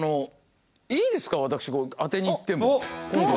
いいですか私当てに行っても今回。